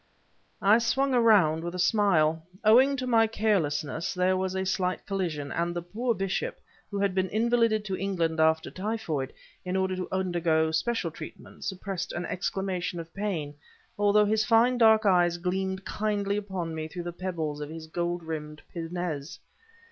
I swung around, with a smile. Owing to my carelessness, there was a slight collision, and the poor bishop, who had been invalided to England after typhoid, in order to undergo special treatment, suppressed an exclamation of pain, although his fine dark eyes gleamed kindly upon me through the pebbles of his gold rimmed pince nez.